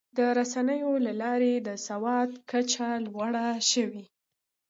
د رسنیو له لارې د سواد کچه لوړه شوې.